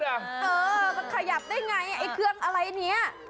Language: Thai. เออมันขยับได้ไงไอ้เครื่องอะไรเนี่ย